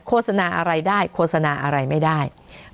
โฆษณาอะไรได้โฆษณาอะไรไม่ได้